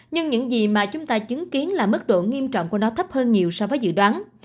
nhưng những gì mà chúng ta chứng kiến là mức độ nghiêm trọng của nó thấp hơn nhiều so với dự đoán